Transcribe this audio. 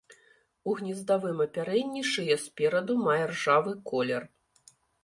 У гнездавым апярэнні шыя спераду мае ржавы колер.